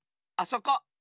あそこ。